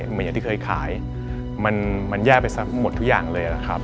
เหมือนอย่างที่เคยขายมันแย่ไปหมดทุกอย่างเลยนะครับ